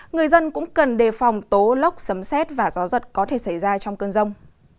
người dân cũng cần đề phòng tố lốc sấm xét và gió giật có thể xảy ra trong cơn rông